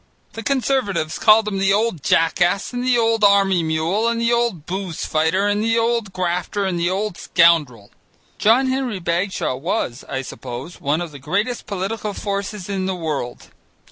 The Conservatives called him the old jackass and the old army mule and the old booze fighter and the old grafter and the old scoundrel. John Henry Bagshaw was, I suppose, one of the greatest political forces in the world.